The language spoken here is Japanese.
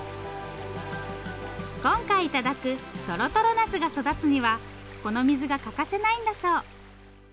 今回頂くとろとろナスが育つにはこの水が欠かせないんだそう。